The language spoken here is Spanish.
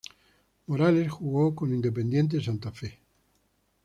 Morales jugó con Independiente Santa Fe.